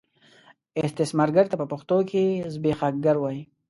استثمارګر ته په پښتو کې زبېښاکګر وايي.